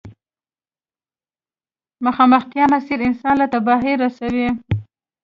مخامختيا مسير انسان له تباهي رسوي.